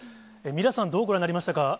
皆さん、どうご覧になりましたか？